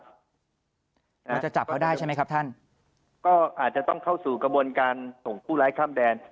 เขาจะจับเขาได้ใช่ไหมครับท่านก็อาจจะต้องเข้าสู่กระบวนการส่งผู้ร้ายข้ามแดน